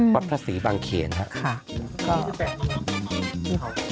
วัตถสีบังเขียนครับ